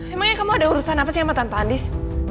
emangnya kamu ada urusan apa sih sama tante andis